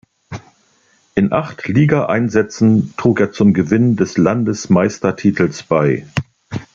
In acht Ligaeinsätzen trug er zum Gewinn des Landesmeistertitels bei.